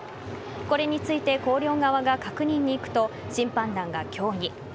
これについて広陵側が確認に行くと審判団が協議。